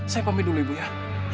saya pamit dulu ibu ya